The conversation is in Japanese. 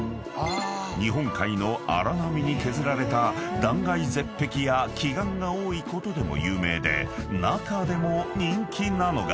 ［日本海の荒波に削られた断崖絶壁や奇岩が多いことでも有名で中でも人気なのが］